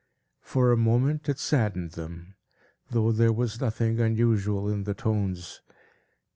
For a moment, it saddened them, though there was nothing unusual in the tones.